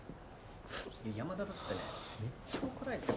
山田だってねめっちゃ怒られてるから。